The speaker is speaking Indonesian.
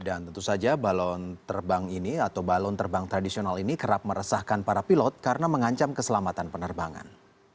dan tentu saja balon terbang ini atau balon terbang tradisional ini kerap meresahkan para pilot karena mengancam keselamatan penerbangan